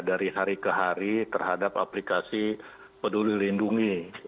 dari hari ke hari terhadap aplikasi peduli lindungi